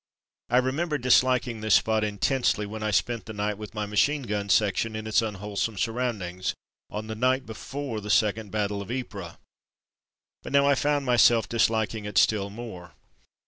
I remember disliking this spot intensely, when I spent the night with my machine gun section in its unwholesome surroundings on the night before the second battle of Ypres; but now I found myself disliking it still more.